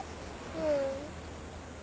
うん。